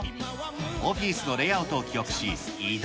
オフィスのレイアウトを記憶し、移動。